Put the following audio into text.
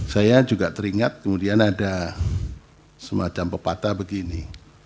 saya juga teringat kemudian ada semacam pepatah begini